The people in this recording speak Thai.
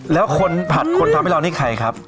แล้วคนผัดคนทำให้เรานี่ใครครับ